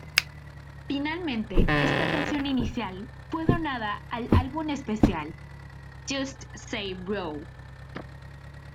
Finalmente esta canción inicial fue donada al álbum especial "Just Say Roe".